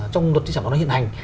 trong luật di trả văn hóa hiện hành